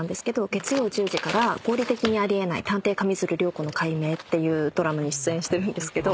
月曜１０時から『合理的にあり得ない探偵・上水流涼子の解明』ていうドラマに出演してるんですけど。